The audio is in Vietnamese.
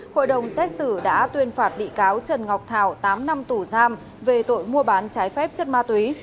hội đồng xét xử đã tuyên phạt bị cáo trần ngọc thảo tám năm tù giam về tội mua bán trái phép chất ma túy